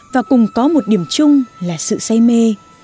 và cùng có một điểm chung là sự say mê